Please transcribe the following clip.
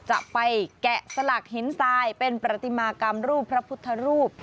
แกะสลักหินทรายเป็นประติมากรรมรูปพระพุทธรูป